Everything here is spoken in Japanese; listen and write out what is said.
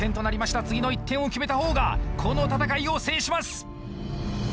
次の１点を決めたほうがこの戦いを制します！